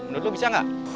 menurut lo bisa gak